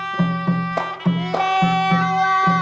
กลับไปก่อนที่สุดท้าย